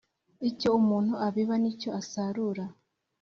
icyo umuntu abiba nicyo asarura